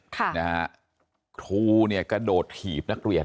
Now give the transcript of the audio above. ทูกระโดดถีบนักเรียน